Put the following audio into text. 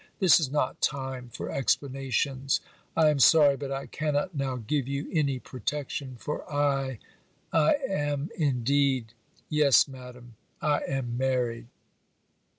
This is not time for explanations. I am sorry, but I cannot now give you any protection, for I I am, indeed Yes, Madam, I am married.'